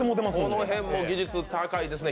この辺も技術高いですね。